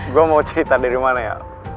gue mau cerita dari mana ya